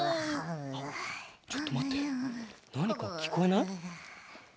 ちょっとまってなにかきこえない？